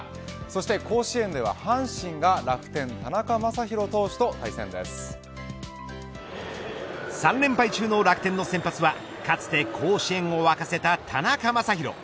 そして甲子園では阪神が楽天、田中将大投手と３連敗中の楽天の先発はかつて甲子園を沸かせた田中将大。